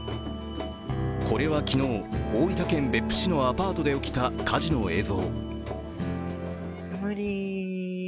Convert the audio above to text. これは昨日、大分県別府市のアパートで起きた火事の映像。